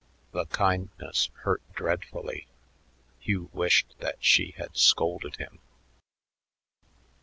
The kindness hurt dreadfully. Hugh wished that she had scolded him.